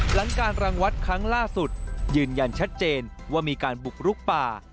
หลังการรังวัดครั้งล่าสุดยืนยันชัดเจนว่ามีการบุกลุกป่า